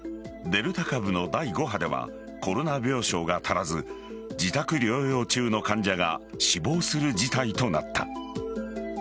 デルタ株の第５波ではコロナ病床が足らず自宅療養中の患者が死亡する事態となった。